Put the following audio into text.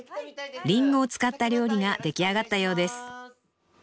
林檎を使った料理が出来上がったようです